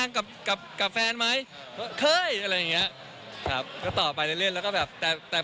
อะนอกจากว่าจะมีซุปตาเบอร์ต้นอย่างพี่เคนแล้วนะคะ